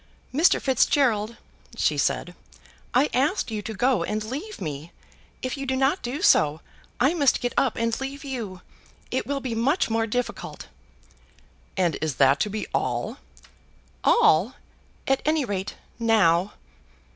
"Mr. Fitzgerald," she said, "I asked you to go and leave me. If you do not do so, I must get up and leave you. It will be much more difficult." "And is that to be all?" "All; at any rate, now."